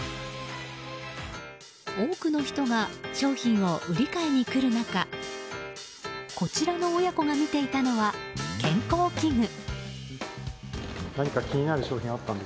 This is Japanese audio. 多くの人が商品を売り買いに来る中こちらの親子が見ていたのは健康器具。